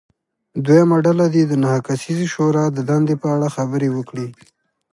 دویمه ډله دې د نهه کسیزې شورا د دندې په اړه خبرې وکړي.